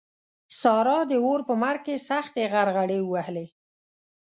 سارا د اور په مرګ کې سختې غرغړې ووهلې.